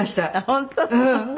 本当？